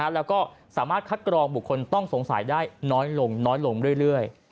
แล้วก็สามารถคัดกรองบุคคลต้องสงสัยได้น้อยลงน้อยลงเรื่อย